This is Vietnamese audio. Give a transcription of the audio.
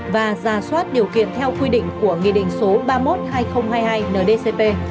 và ra soát điều kiện theo quy định của nghị định số ba mươi một hai nghìn hai mươi hai ndcp